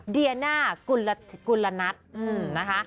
เดียน่ากุลนัทนะคะ